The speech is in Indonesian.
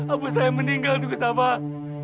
apa saya meninggal teguh sabah